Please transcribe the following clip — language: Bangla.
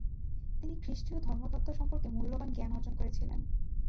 তিনি খ্রিস্টীয় ধর্মতত্ত্ব সম্পর্কে মূল্যবান জ্ঞান অর্জন করেছিলেন।